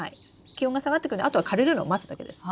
気温が下がってくるのであとは枯れるのを待つだけです。